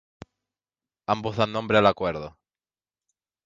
Ambos dan nombre al acuerdo.